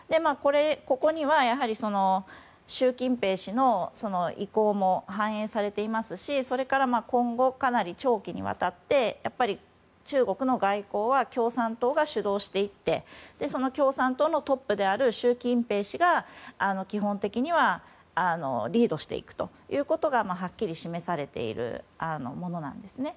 ここには、習近平氏の意向も反映されていますしそれから、今後かなり長期にわたって中国の外交は共産党が主導していってその共産党のトップである習近平氏が基本的にはリードしていくということがはっきり示されているものなんですね。